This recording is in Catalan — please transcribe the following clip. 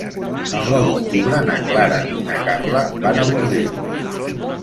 El nou d'octubre na Clara i na Carla van a Bordils.